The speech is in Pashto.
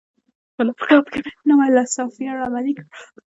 په لپټاپ کې مې نوی سافټویر عملي کړ.